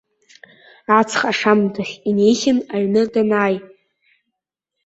Аҵх ашамҭахь инеихьан аҩны данааи.